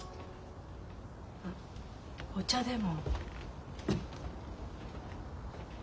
あっお茶でも。